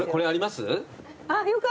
はい。